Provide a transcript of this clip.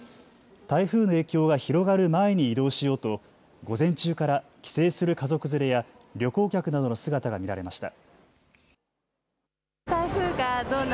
台風の影響が広がる前に移動しようと午前中から帰省する家族連れや旅行客などの姿が見られました。